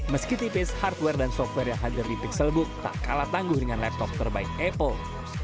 meski tipis hardware dan software yang hadir di pixelbook tak kalah tangguh dengan laptop terbaik apple